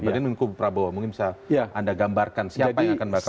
padahal ini kubu prabowo mungkin bisa anda gambarkan siapa yang akan mendukung